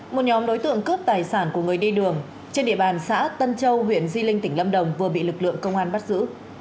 một nhóm đối tượng cướp tài sản của người đi đường trên địa bàn xã tân châu huyện di linh tỉnh lâm đồng vừa bị lực lượng công an bắt giữ